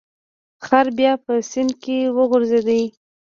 خر بیا په سیند کې وغورځید.